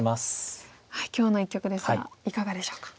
今日の一局ですがいかがでしょうか？